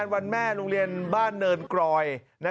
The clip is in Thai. วันแม่โรงเรียนบ้านเนินกรอย